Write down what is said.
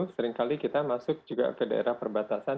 seringkali kita masuk juga ke daerah perbatasan